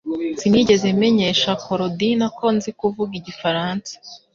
Sinigeze menyesha Korodina ko nzi kuvuga igifaransa